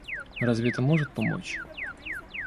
Разве это может помочь?